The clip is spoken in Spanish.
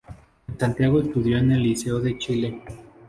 En Santiago estudió en el Liceo de Chile.